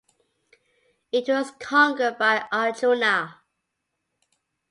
It was conquered by Arjuna.